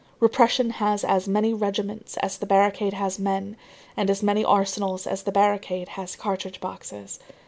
Repression has as many regiments as the barricade has men, and as many arsenals as the barricade has cartridge boxes.